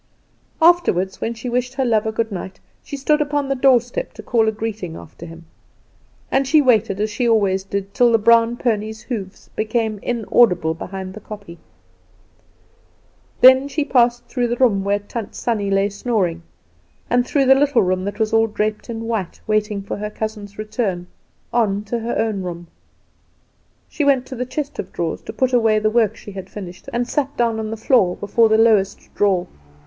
Afterward, when she wished her lover good night, she stood upon the doorstep to call a greeting after him; and she waited, as she always did, till the brown pony's hoofs became inaudible behind the kopje. Then she passed through the room where Tant Sannie lay snoring, and through the little room that was all draped in white, waiting for her cousin's return, on to her own room. She went to the chest of drawers to put away the work she had finished, and sat down on the floor before the lowest drawer.